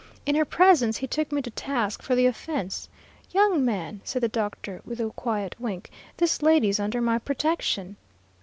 In her presence he took me to task for the offense. 'Young man,' said the doctor, with a quiet wink,' this lady is under my protection.